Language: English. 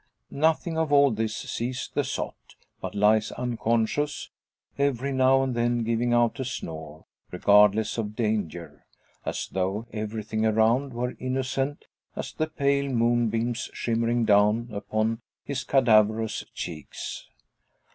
Nothing of all this sees the sot, but lies unconscious, every now and then giving out a snore, regardless of danger, as though everything around were innocent as the pale moonbeams shimmering down upon his cadaverous cheeks.